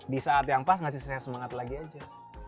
di saat yang pas ngasih saya semangat lagi aja